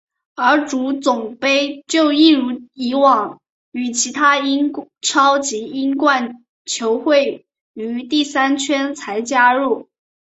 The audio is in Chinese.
而足总杯就一如已往与其他英超及英冠球会于第三圈才加入。